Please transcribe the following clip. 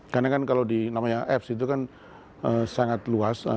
karena kan kalau di namanya apps itu kan sangat luas